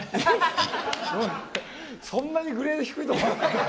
そんなにグレード低いと思わなかった。